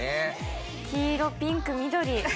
黄色ピンク緑。